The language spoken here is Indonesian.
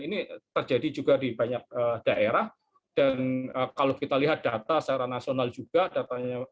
ini terjadi juga di banyak daerah dan kalau kita lihat data secara nasional juga datanya